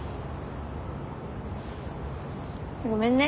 ごめんね。